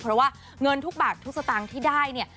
เพราะว่าเงินทุกบาททุกสตางค์ที่ได้เนี่ย